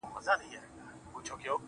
دا ستاد كلـي كـاڼـى زمـا دوا ســـوه~